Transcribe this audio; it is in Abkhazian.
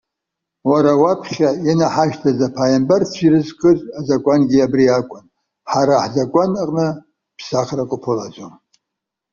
Уара уаԥхьа инаҳашьҭыз аԥааимбарцәа ирызкыз азакәангьы абри акәын. Ҳара ҳзакәан аҟны ԥсахрак уԥылаӡом.